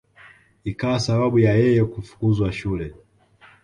Ikawa sababu ya yeye kufukuzwa shule